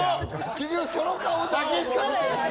結局その顔だけしか見てない。